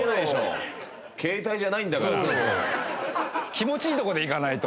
気持ちいいとこでいかないと。